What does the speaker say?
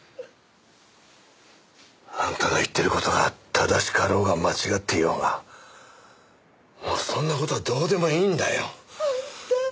あんたが言ってる事が正しかろうが間違っていようがもうそんな事はどうでもいいんだよ。あんた。